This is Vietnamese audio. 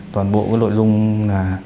toàn bộ với nội dung là